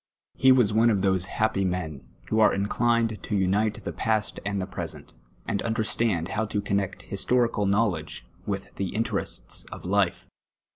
He wa.s one of those happy men, who arc ineliued to unite the pa.st and the present, and understand how to connect historical knowledj^c with the interests of life.